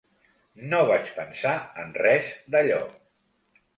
No vaig pensar en res d'allò.